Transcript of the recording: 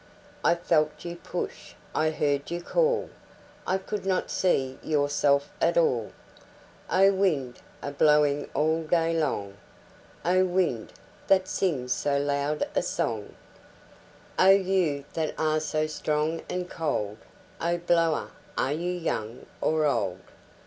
I felt you push, I heard you call,I could not see yourself at all—O wind, a blowing all day long,O wind, that sings so loud a songO you that are so strong and cold,O blower, are you young or old?